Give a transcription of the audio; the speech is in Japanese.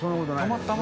たまたま？